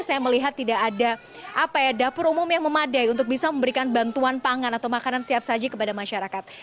saya melihat tidak ada dapur umum yang memadai untuk bisa memberikan bantuan pangan atau makanan siap saji kepada masyarakat